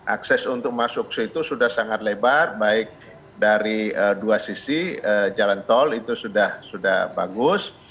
akses untuk masuk ke situ sudah sangat lebar baik dari dua sisi jalan tol itu sudah bagus